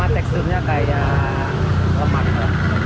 teksturnya kayak lemak